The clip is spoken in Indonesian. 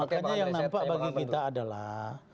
makanya yang nampak bagi kita adalah